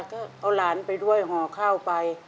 ก็เอาหลานไปด้วยห่อข้าวไป